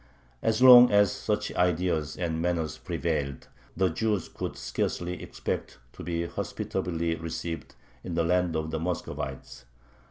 As long as such ideas and manners prevailed, the Jews could scarcely expect to be hospitably received in the land of the Muscovites.